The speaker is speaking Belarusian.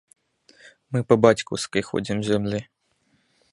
Мы па бацькаўскай ходзім зямлі!